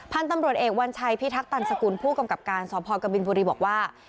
พันธุ์ตำรวจเอกวัญชัยพิทักตันสกุลผู้กำกับการสพกบินบุรีบอกว่า